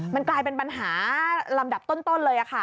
มันกลายเป็นปัญหาลำดับต้นเลยค่ะ